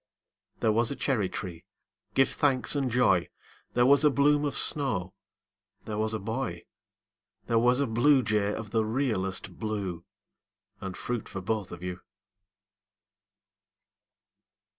There was a cherry tree, give thanks and joy! There was a bloom of snow There was a boy There was a bluejay of the realest blue And fruit for both of you.